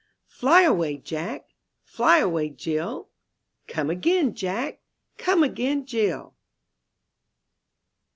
Fly away. Jack ! Fly away, Jill ! Come again. Jack! Come again, Jill